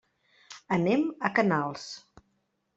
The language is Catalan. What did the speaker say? Anem a Canals.